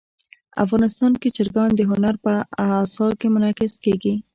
افغانستان کې چرګان د هنر په اثار کې منعکس کېږي.